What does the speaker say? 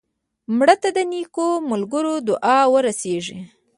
مړه ته د نیکو ملګرو دعا ورسېږي